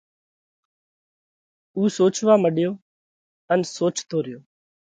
اُو سوچوا مڏيو ان سوچتو ريو۔